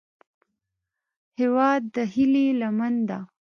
هیواد د هیلې لمنه ده